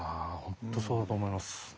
本当そうだと思います。